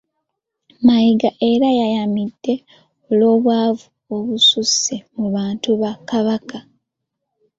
Mayiga era yenyamidde olw'obwavu obususse mu bantu ba Kabaka